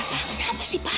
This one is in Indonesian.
kenapa sih pak